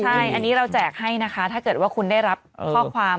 ใช่อันนี้เราแจกให้นะคะถ้าเกิดว่าคุณได้รับข้อความ